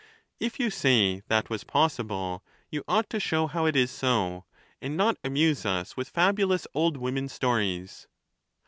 If you say that was possible, you ought to show how it is so, and not amuse us with fabulous old women's stories.